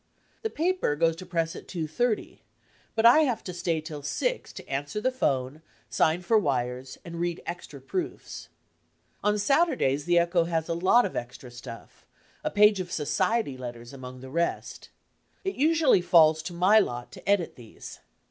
The paper goes to press at 2.30, but I have to stay till six to answer the 'phone, sign for wires, and read extra proofs. On Saturdays the Echo has a lot of extra siuflf, a page of 'society leners' among the rest. It usually falls tt> my lot to edit these.